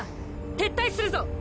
撤退するぞ。